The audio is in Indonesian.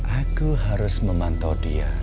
aku harus memantau dia